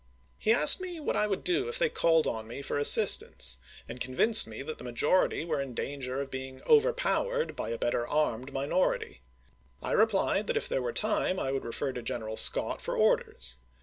He asked me what I would do if they called on me for assistance, and convinced me that the majority were in danger of being overpowered by a better armed minority. I re plied that if there were time I would refer to General Scott for orders.